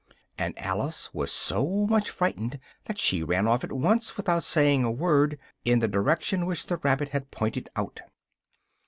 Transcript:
and Alice was so much frightened that she ran off at once, without saying a word, in the direction which the rabbit had pointed out.